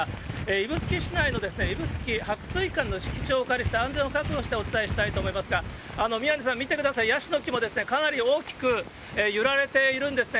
指宿市内の指宿白水館の敷地をお借りして、安全を確保してお伝えしたいと思いますが、宮根さん、見てください、ヤシの木もかなり大きく揺られているんですね。